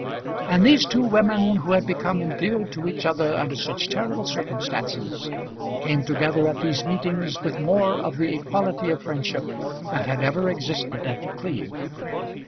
And these two women who had become endeared to each other under such terrible circumstances, came together at these meetings with more of the equality of friendship than had ever existed at The Cleeve.